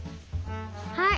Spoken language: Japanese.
はい。